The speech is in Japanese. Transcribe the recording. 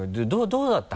どうだった？